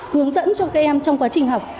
hướng dẫn cho các em trong quá trình học